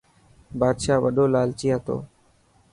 بادشاهه وڏو لالچي هتو.